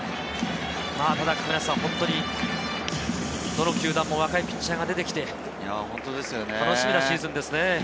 どの球団も若いピッチャーが出てきて楽しみなシーズンですね。